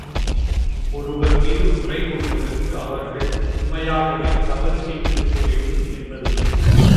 ஒருவர்மீது குறை கூறுவதற்கு அவர்கள் உண்மையாகவே தவறு செய்திருக்கவேண்டும் என்பதில்லை.